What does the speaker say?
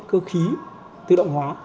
cơ khí tự động hóa